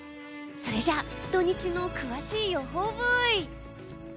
それじゃあ土日の詳しい予報ブイ。